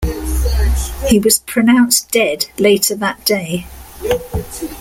He was pronounced dead later that day.